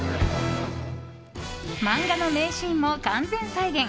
漫画の名シーンも完全再現。